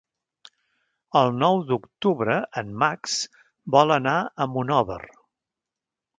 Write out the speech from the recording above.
El nou d'octubre en Max vol anar a Monòver.